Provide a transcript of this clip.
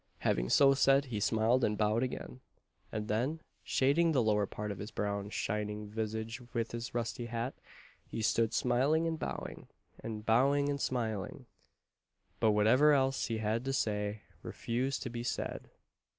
Having so said, he smiled and bowed again; and then, shading the lower part of his brown shining visage with his rusty hat, he stood smiling and bowing, and bowing and smiling; but whatever else he had to say, refused to be said.